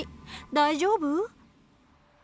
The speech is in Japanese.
大丈夫？